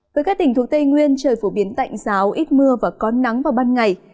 với các tỉnh thuộc tây nguyên trời phổ biến tạnh giáo ít mưa và có nắng vào ban ngày